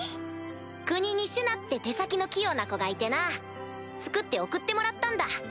国にシュナって手先の器用な子がいてな作って送ってもらったんだ。